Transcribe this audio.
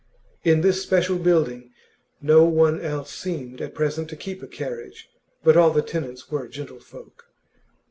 In this special building no one else seemed at present to keep a carriage, but all the tenants were gentlefolk.